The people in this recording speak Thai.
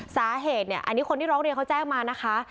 สาเหตุเนี่ยอันนี้คนที่ร้องเรียนเขาแจ้งมานะคะ